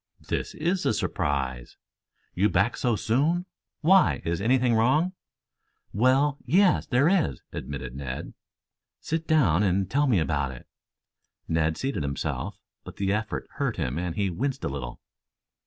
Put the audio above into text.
"This is a surprise. You back so soon? Why, is anything wrong!" "Well, yes, there is," admitted Ned. "Sit down and tell me about it." Ned seated himself, but the effort hurt him and he winced a little.